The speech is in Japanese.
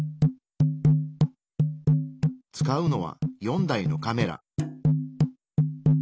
使うのは４台のカメラ。